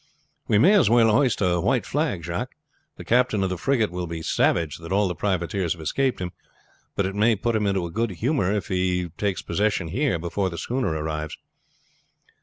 "We may as well hoist a white flag, Jacques. The captain of the frigate will be savage that all the privateers have escaped him, but it may put him into a good temper if he takes possession here before the schooner arrives."